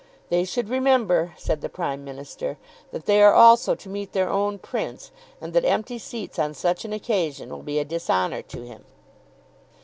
"They should remember," said the Prime Minister, "that they are also to meet their own Prince, and that empty seats on such an occasion will be a dishonour to him."